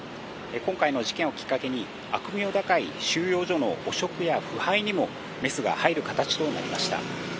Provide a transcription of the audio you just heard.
今回の事件をきっかけに、悪名高い収容所の汚職や腐敗にもメスが入る形となりました。